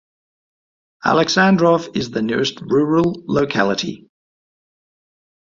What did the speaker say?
Alexandrov is the nearest rural locality.